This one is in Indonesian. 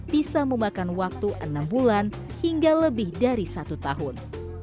bisa memakan waktu enam bulan hingga lebih dari satu tahun